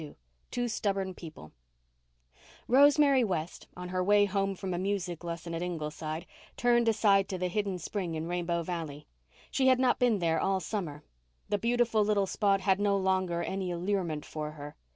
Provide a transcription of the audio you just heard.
TWO STUBBORN PEOPLE Rosemary West, on her way home from a music lesson at Ingleside, turned aside to the hidden spring in Rainbow Valley. She had not been there all summer; the beautiful little spot had no longer any allurement for her.